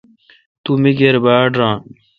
تو می کیر باڑ ران۔